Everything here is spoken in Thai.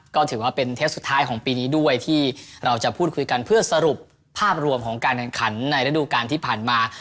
ก็ถือว่าเป็นเทปสุดท้ายของปีนี้ด้วยที่เราจะพูดคุยกันเพื่อสรุปภาพรวมของการแข่งขันในระดูการที่ผ่านมา